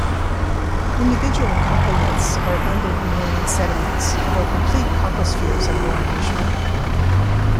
Individual coccoliths are abundant in marine sediments although complete coccospheres are more unusual.